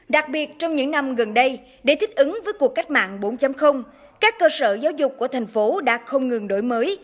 đặc biệt trong những năm gần đây để thích ứng với cuộc cách mạng bốn các cơ sở giáo dục của thành phố đã không ngừng đổi mới